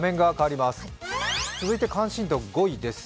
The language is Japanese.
続いて関心度５位です。